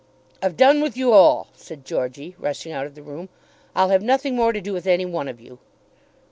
"I've done with you all," said Georgey rushing out of the room. "I'll have nothing more to do with any one of you."